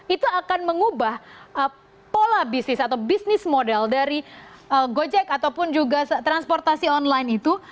itu akan mengubah pola bisnis atau bisnis model dari gojek ataupun juga transportasi online itu